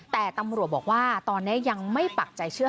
แต่ตำรวจบอกว่าตอนนี้ยังไม่ปักใจเชื่อ